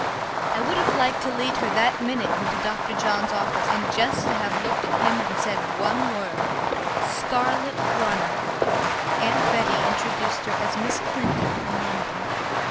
I would have liked to lead her that minute into Dr. John's office and just to have looked at him and said one word "Scarlet runner!" Aunt Betty introduced her as Miss Clinton from London.